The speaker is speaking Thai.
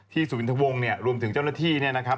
สุวินทะวงเนี่ยรวมถึงเจ้าหน้าที่เนี่ยนะครับ